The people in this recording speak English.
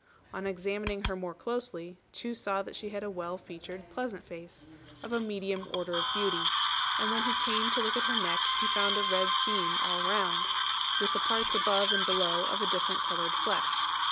On examining her more closely, Chu saw that she had a well featured pleasant face, of a medium order of beauty; and when he came to look at her neck, he found a red seam all round, with the parts above and below of a different coloured flesh.